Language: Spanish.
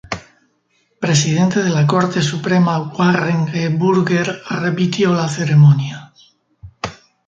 Presidente de la Corte Suprema Warren E. Burger repitió la ceremonia.